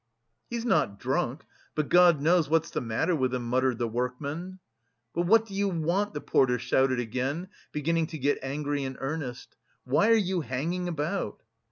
"He's not drunk, but God knows what's the matter with him," muttered the workman. "But what do you want?" the porter shouted again, beginning to get angry in earnest "Why are you hanging about?"